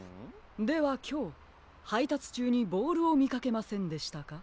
ではきょうはいたつちゅうにボールをみかけませんでしたか？